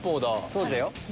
そうだよ。